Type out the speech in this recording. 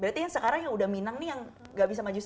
berarti yang sekarang yang udah minang nih yang gak bisa maju